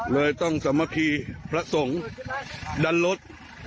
เลยต้องสมมติพระสงค์ดัดรถ